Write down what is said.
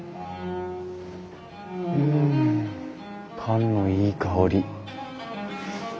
パンのいい香り。